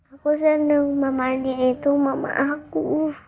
aku seneng mama andin itu mama aku